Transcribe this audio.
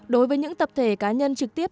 đối với những tập thể cá nhân trực tiếp